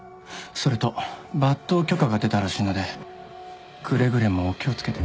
それと抜刀許可が出たらしいのでくれぐれもお気を付けて。